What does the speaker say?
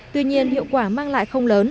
tuy nhiên hiệu quả mang lại không lớn